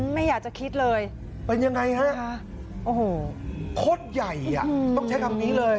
ไม่อยากจะคิดเลยเป็นยังไงฮะโอ้โหโคตรใหญ่อ่ะต้องใช้คำนี้เลย